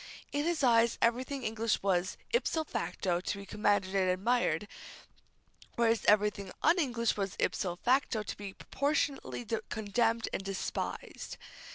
In his eyes, everything English was ipso facto to be commended and admired, whereas everything un English was ipso facto to be proportionately condemned and despised.